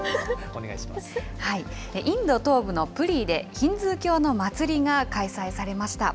インド東部のプリーで、ヒンズー教の祭りが開催されました。